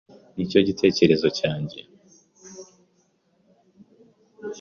Nicyo gitekerezo cyanjye.